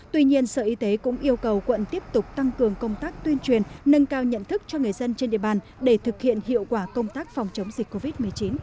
tuy nhiên sở y tế cũng yêu cầu quận tiếp tục tăng cường công tác tuyên truyền nâng cao nhận thức cho người dân trên địa bàn để thực hiện hiệu quả công tác phòng chống dịch covid một mươi chín